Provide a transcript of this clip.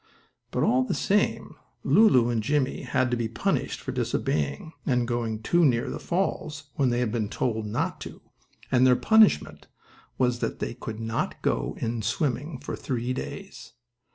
But, all the same Lulu and Jimmie had to be punished for disobeying, and going too near the falls when they had been told not to, and their punishment was that they could not go in swimming for three days.